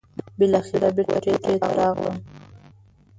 بالاخره بېرته کوټې ته راغلم.